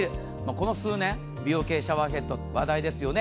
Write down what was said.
この数年美容系シャワーヘッド話題ですよね。